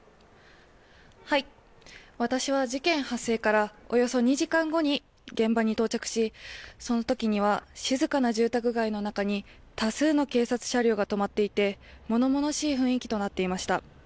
私は事件発生からおよそ２時間後に現場に到着し、そのときには、静かな住宅街の中に多数の警察車両が止まっていて、ものものしい雰囲気となっていました。